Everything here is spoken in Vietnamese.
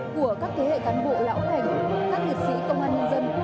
của các thế hệ cán bộ lão thành các liệt sĩ công an nhân dân